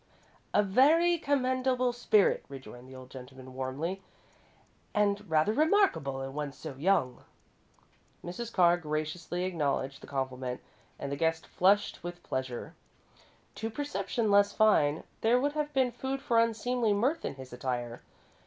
"A very commendable spirit," rejoined the old gentleman, warmly, "and rather remarkable in one so young." Mrs. Carr graciously acknowledged the compliment, and the guest flushed with pleasure. To perception less fine, there would have been food for unseemly mirth in his attire.